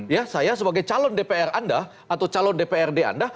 ya saya sebagai calon dpr anda atau calon dprd anda